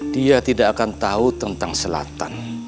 dia tidak akan tahu tentang selatan